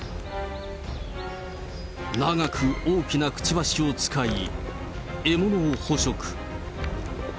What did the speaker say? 長く大きなくちばしを使い、獲物を捕食。